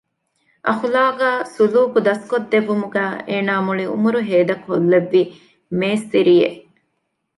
އަޚުލާޤާ ސުލޫކު ދަސްކޮށްދެއްވުމުގައި އޭނާގެ މުޅި އުމުރު ހޭދަކޮށްލެއްވި މޭސްތިރިއެއް